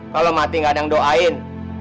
kalo mati gak ada yang doain